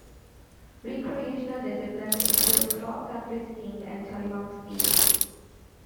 Recreational disciplines include cross-country skiing and Telemark skiing.